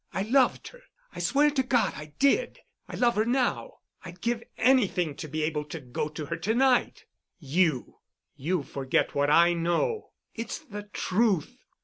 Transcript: I loved her. I swear to God I did. I love her now. I'd give anything to be able to go to her to night——" "You——! You forget what I know." "It's the truth."